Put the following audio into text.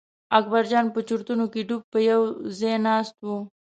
اکبرجان په چورتونو کې ډوب په یوه ځای ناست و.